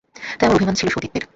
তাই আমার অভিমান ছিল সতীত্বের।